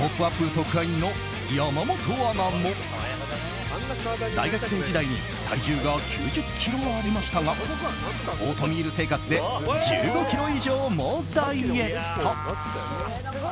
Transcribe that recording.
特派員の山本アナも、大学生時代に体重が９０ｋｇありましたがオートミール生活で１５ｋｇ以上もダイエット。